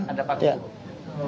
ada pak tunggu